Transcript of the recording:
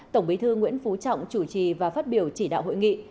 tổng bí thư nguyễn phú trọng chủ trì và phát biểu chỉ đạo hội nghị